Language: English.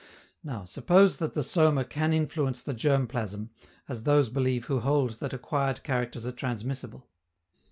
Now, suppose that the soma can influence the germ plasm, as those believe who hold that acquired characters are transmissible.